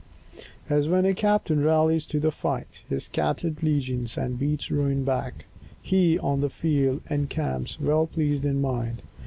As when a captain rallies to the fight His scattered legions, and beats ruin back, He, on the field, encamps, well pleased in mind.